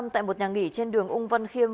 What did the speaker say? tại một nhà nghỉ trên đường ung văn khiêm